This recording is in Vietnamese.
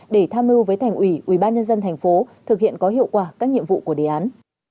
để tham mưu với thành ủy ubnd tp thực hiện có hiệu quả các nhiệm vụ của đề án